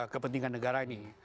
kepentingan negara ini